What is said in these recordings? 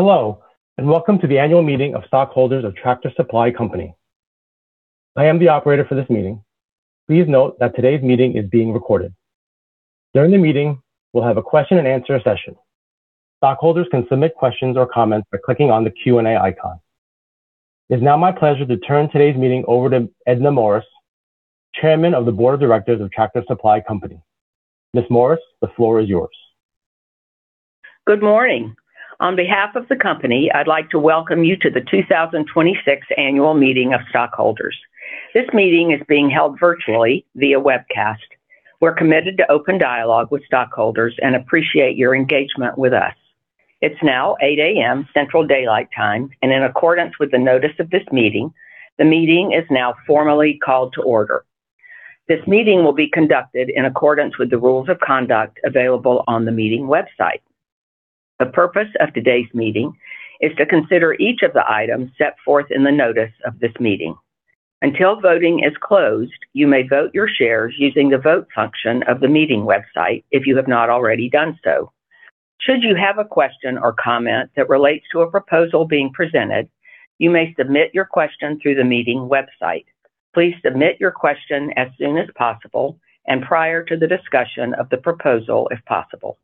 Hello, welcome to the annual meeting of stockholders of Tractor Supply Company. I am the operator for this meeting. Please note that today's meeting is being recorded. During the meeting, we'll have a question and answer session. Stockholders can submit questions or comments by clicking on the Q&A icon. It's now my pleasure to turn today's meeting over to Edna Morris, Chairman of the Board of Directors of Tractor Supply Company. Ms. Morris, the floor is yours. Good morning. On behalf of the company, I'd like to welcome you to the 2026 annual meeting of stockholders. This meeting is being held virtually via webcast. We're committed to open dialogue with stockholders and appreciate your engagement with us. It's now 8:00 A.M. Central Daylight Time, and in accordance with the notice of this meeting, the meeting is now formally called to order. This meeting will be conducted in accordance with the rules of conduct available on the meeting website. The purpose of today's meeting is to consider each of the items set forth in the notice of this meeting. Until voting is closed, you may vote your shares using the vote function of the meeting website if you have not already done so. Should you have a question or comment that relates to a proposal being presented, you may submit your question through the meeting website. Please submit your question as soon as possible and prior to the discussion of the proposal if possible.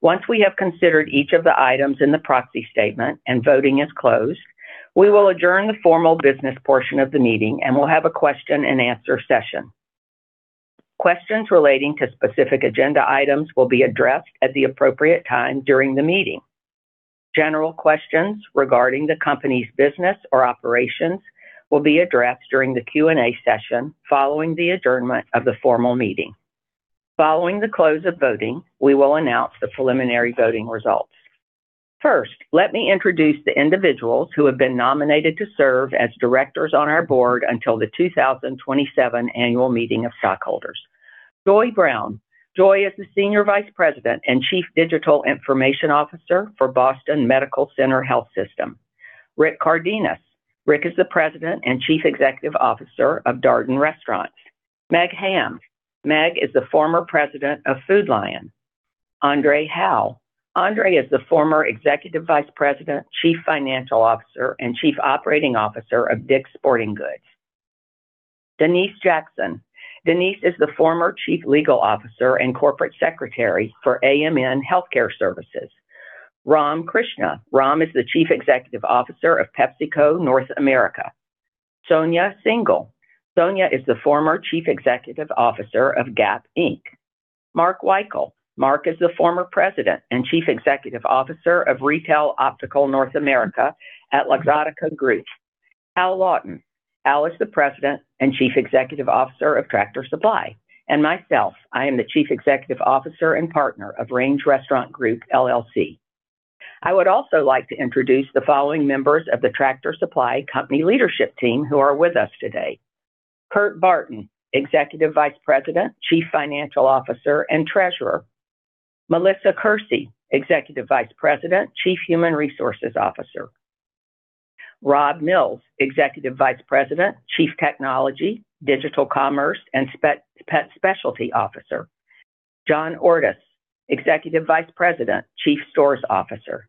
Once we have considered each of the items in the proxy statement and voting is closed, we will adjourn the formal business portion of the meeting and we'll have a question and answer session. Questions relating to specific agenda items will be addressed at the appropriate time during the meeting. General questions regarding the company's business or operations will be addressed during the Q&A session following the adjournment of the formal meeting. Following the close of voting, we will announce the preliminary voting results. First, let me introduce the individuals who have been nominated to serve as directors on our board until the 2027 annual meeting of stockholders. Joy Brown. Joy is the Senior Vice President and Chief Digital Information Officer for Boston Medical Center Health System. Rick Cardenas. Rick is the President and Chief Executive Officer of Darden Restaurants. Meg Ham. Meg is the former President of Food Lion. Andre Hawaux. Andre is the former Executive Vice President, Chief Financial Officer, and Chief Operating Officer of DICK'S Sporting Goods. Denise L. Jackson. Denise is the former Chief Legal Officer and Corporate Secretary for AMN Healthcare Services. Ram Krishnan. Ram is the Chief Executive Officer of PepsiCo North America. Sonia Syngal. Sonia is the former Chief Executive Officer of Gap Inc. Mark Weikel. Mark is the former President and Chief Executive Officer of Luxottica Retail North America at Luxottica Group. Hal Lawton. Hal is the President and Chief Executive Officer of Tractor Supply. Myself, I am the Chief Executive Officer and Partner of Range Restaurant Group LLC. I would also like to introduce the following members of the Tractor Supply Company leadership team who are with us today. Kurt Barton, Executive Vice President, Chief Financial Officer, and Treasurer. Melissa Kersey, Executive Vice President, Chief Human Resources Officer. Rob Mills, Executive Vice President, Chief Technology, Digital Commerce, and Pet Specialty Officer. John Ordus, Executive Vice President, Chief Stores Officer.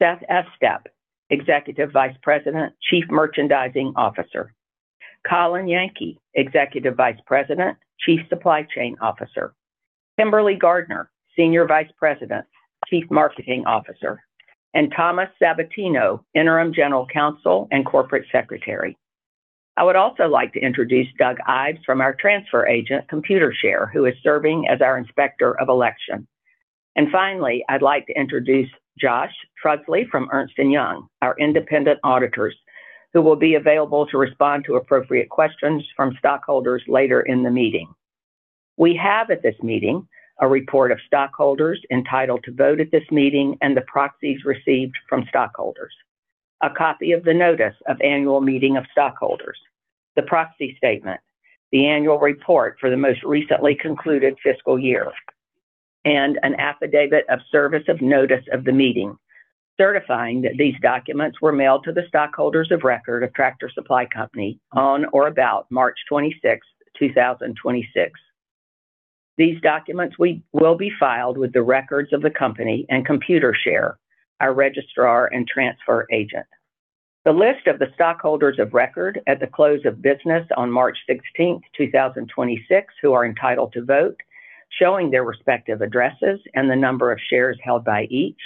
Seth Estep, Executive Vice President, Chief Merchandising Officer. Colin Yankee, Executive Vice President, Chief Supply Chain Officer. Kimberley Gardiner, Senior Vice President, Chief Marketing Officer. Tom Sabatino, Interim General Counsel and Corporate Secretary. I would also like to introduce Doug Ives from our transfer agent, Computershare, who is serving as our inspector of election. Finally, I'd like to introduce Josh Trusley from Ernst & Young, our independent auditors, who will be available to respond to appropriate questions from stockholders later in the meeting. We have at this meeting a report of stockholders entitled to vote at this meeting and the proxies received from stockholders, a copy of the notice of annual meeting of stockholders, the proxy statement, the annual report for the most recently concluded fiscal year, and an affidavit of service of notice of the meeting, certifying that these documents were mailed to the stockholders of record of Tractor Supply Company on or about March 26, 2026. These documents will be filed with the records of the company and Computershare, our registrar and transfer agent. The list of the stockholders of record at the close of business on March 16th, 2026, who are entitled to vote, showing their respective addresses and the number of shares held by each,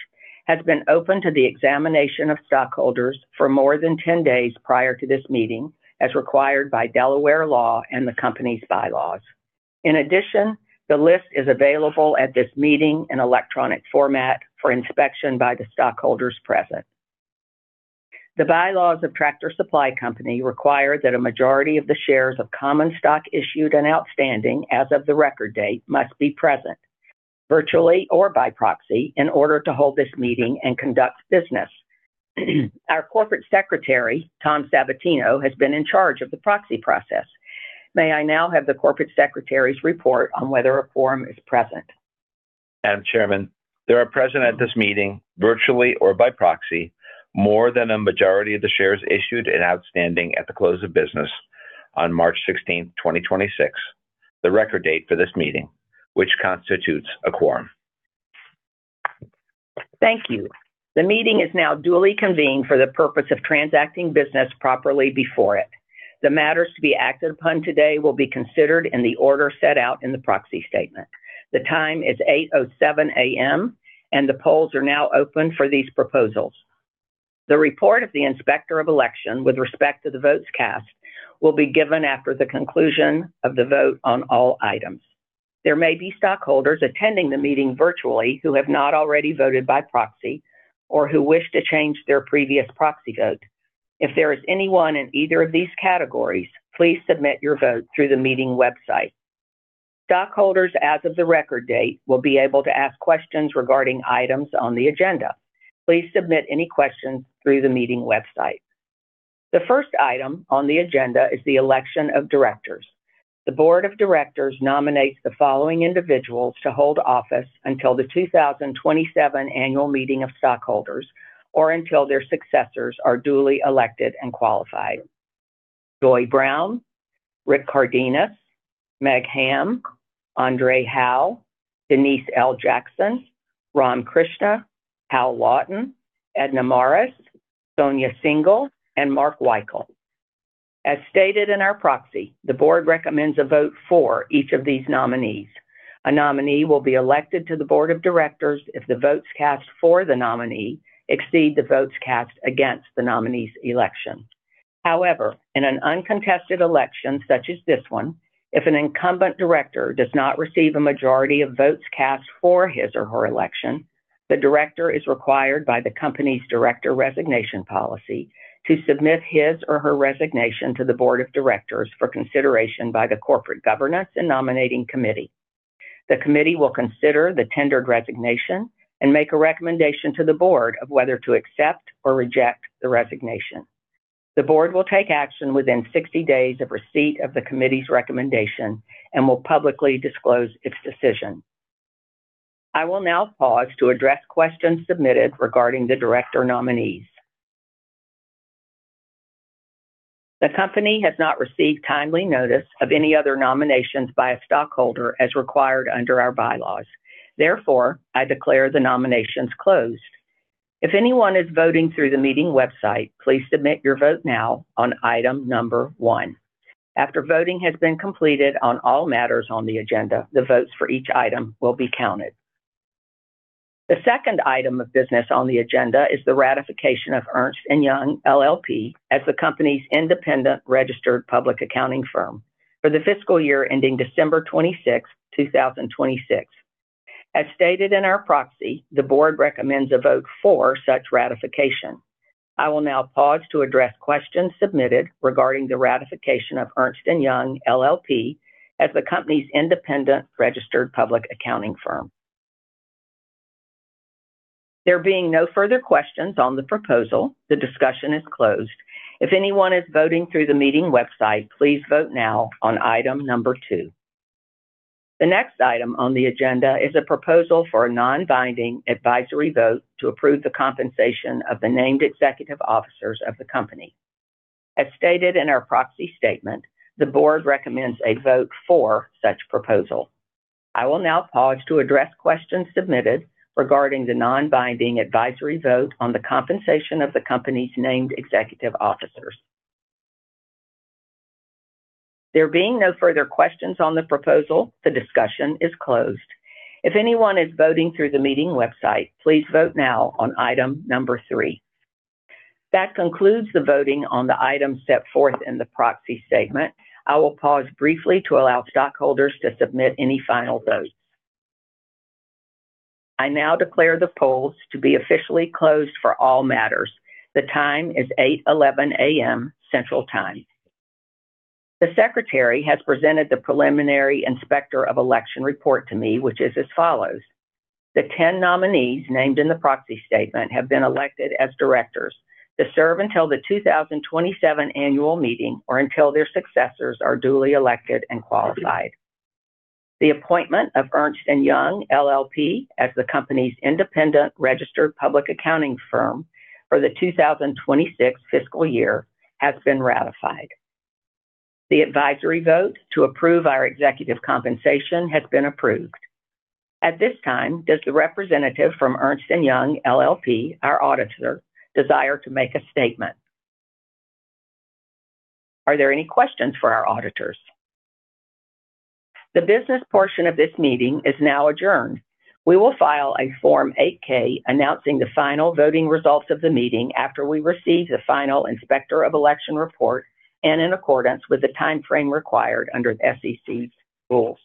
has been open to the examination of stockholders for more than 10 days prior to this meeting, as required by Delaware law and the company's bylaws. In addition, the list is available at this meeting in electronic format for inspection by the stockholders present. The bylaws of Tractor Supply Company require that a majority of the shares of common stock issued and outstanding as of the record date must be present, virtually or by proxy, in order to hold this meeting and conduct business. Our Corporate Secretary, Tom Sabatino, has been in charge of the proxy process. May I now have the Corporate Secretary's report on whether a quorum is present? Madam Chairman, there are present at this meeting, virtually or by proxy, more than a majority of the shares issued and outstanding at the close of business on March 16th, 2026. The record date for this meeting, which constitutes a quorum. Thank you. The meeting is now duly convened for the purpose of transacting business properly before it. The matters to be acted upon today will be considered in the order set out in the proxy statement. The time is 8:00 A.M., and the polls are now open for these proposals. The report of the Inspector of Election with respect to the votes cast will be given after the conclusion of the vote on all items. There may be stockholders attending the meeting virtually who have not already voted by proxy or who wish to change their previous proxy vote. If there is anyone in either of these categories, please submit your vote through the meeting website. Stockholders as of the record date will be able to ask questions regarding items on the agenda. Please submit any questions through the meeting website. The first item on the agenda is the election of directors. The board of directors nominates the following individuals to hold office until the 2027 annual meeting of stockholders or until their successors are duly elected and qualified. Joy Brown, Rick Cardenas, Meg Ham, Andre Hawaux, Denise L. Jackson, Ram Krishnan, Hal Lawton, Edna Morris, Sonia Syngal, and Mark Weikel. As stated in our proxy, the board recommends a vote for each of these nominees. A nominee will be elected to the board of directors if the votes cast for the nominee exceed the votes cast against the nominee's election. However, in an uncontested election such as this one, if an incumbent director does not receive a majority of votes cast for his or her election, the director is required by the company's director resignation policy to submit his or her resignation to the board of directors for consideration by the corporate governance and nominating committee. The committee will consider the tendered resignation and make a recommendation to the board of whether to accept or reject the resignation. The board will take action within sixty days of receipt of the committee's recommendation and will publicly disclose its decision. I will now pause to address questions submitted regarding the director nominees. The company has not received timely notice of any other nominations by a stockholder as required under our bylaws. Therefore, I declare the nominations closed. If anyone is voting through the meeting website, please submit your vote now on item number one. After voting has been completed on all matters on the agenda, the votes for each item will be counted. The second item of business on the agenda is the ratification of Ernst & Young LLP as the company's independent registered public accounting firm for the fiscal year ending December 26th, 2026. As stated in our proxy, the board recommends a vote for such ratification. I will now pause to address questions submitted regarding the ratification of Ernst & Young LLP as the company's independent registered public accounting firm. There being no further questions on the proposal, the discussion is closed. If anyone is voting through the meeting website, please vote now on item number two. The next item on the agenda is a proposal for a non-binding advisory vote to approve the compensation of the named executive officers of the company. As stated in our proxy statement, the board recommends a vote for such proposal. I will now pause to address questions submitted regarding the non-binding advisory vote on the compensation of the company's named executive officers. There being no further questions on the proposal, the discussion is closed. If anyone is voting through the meeting website, please vote now on item number three. That concludes the voting on the item set forth in the proxy statement. I will pause briefly to allow stockholders to submit any final votes. I now declare the polls to be officially closed for all matters. The time is 8:00 A.M. Central Time. The secretary has presented the preliminary Inspector of Election report to me, which is as follows: The 10 nominees named in the proxy statement have been elected as directors to serve until the 2027 annual meeting or until their successors are duly elected and qualified. The appointment of Ernst & Young LLP as the company's independent registered public accounting firm for the 2026 fiscal year has been ratified. The advisory vote to approve our executive compensation has been approved. At this time, does the representative from Ernst & Young LLP, our auditor, desire to make a statement? Are there any questions for our auditors? The business portion of this meeting is now adjourned. We will file a Form 8-K announcing the final voting results of the meeting after we receive the final Inspector of Election report and in accordance with the timeframe required under the SEC's rules.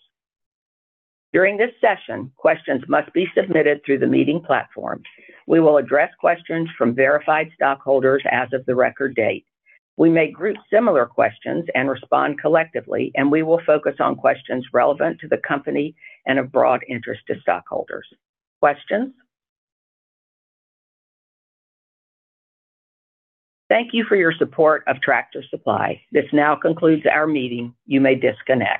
During this session, questions must be submitted through the meeting platform. We will address questions from verified stockholders as of the record date. We may group similar questions and respond collectively, and we will focus on questions relevant to the company and of broad interest to stockholders. Questions? Thank you for your support of Tractor Supply. This now concludes our meeting. You may disconnect.